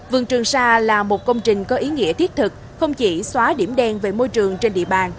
vườn trường sa là một công trình có ý nghĩa thiết thực không chỉ xóa điểm đen về môi trường trên địa bàn